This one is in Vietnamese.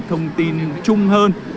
thông tin chung hơn